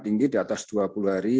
tinggi di atas dua puluh hari